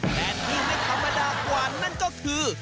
แต่ที่ไม่ธรรมดากว่านั่นก็คือ